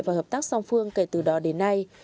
và hợp tác song phương kể từ đó đến nay